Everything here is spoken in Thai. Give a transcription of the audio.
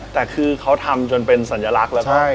แต่คือเขาทำจนเป็นสัญลักษณ์แล้วก็